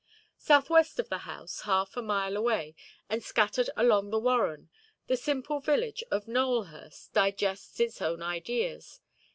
South–west of the house, half a mile away, and scattered along the warren, the simple village of Nowelhurst digests its own ideas.